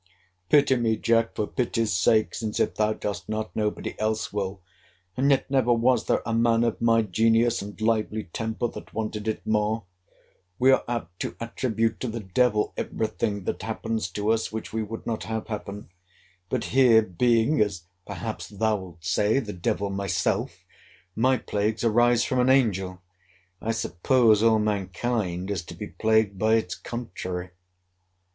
Pity me, Jack, for pity's sake; since, if thou dost not, nobody else will: and yet never was there a man of my genius and lively temper that wanted it more. We are apt to attribute to the devil every thing happens to us, which we would not have happen: but here, being, (as perhaps thou'lt say,) the devil myself, my plagues arise from an angel. I suppose all mankind is to be plagued by its contrary.